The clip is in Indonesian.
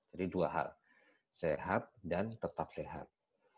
jadi dua hal sehat dan tetap sehat